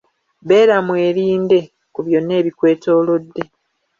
Beera mwerinde ku byonna ebikwetoolodde.